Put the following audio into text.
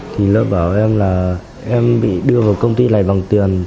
thì lợi bảo em là em bị đưa vào công ty này bằng tiền